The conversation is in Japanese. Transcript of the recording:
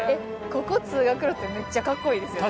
ここ通学路ってめっちゃ格好いいですよね。